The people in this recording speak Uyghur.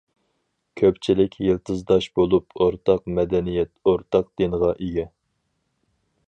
كۆپچىلىك يىلتىزداش بولۇپ، ئورتاق مەدەنىيەت، ئورتاق دىنغا ئىگە.